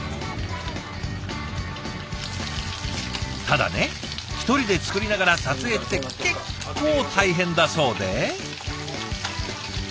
ただね１人で作りながら撮影って結構大変だそうで。